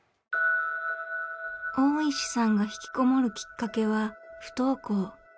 大石さんがひきこもるきっかけは不登校。